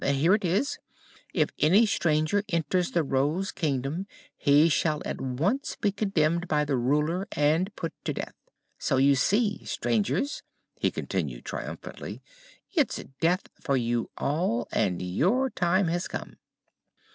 Here it is: 'If any stranger enters the Rose Kingdom he shall at once be condemned by the Ruler and put to death.' So you see, strangers," he continued triumphantly, "it's death for you all and your time has come!"